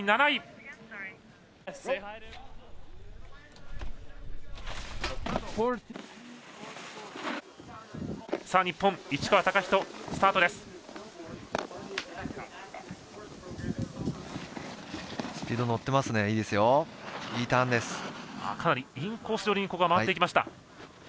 いいターンです。